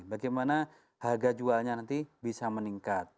bagaimana harga jualnya nanti bisa meningkat